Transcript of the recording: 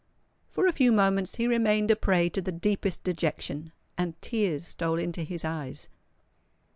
For a few moments he remained a prey to the deepest dejection; and tears stole into his eyes.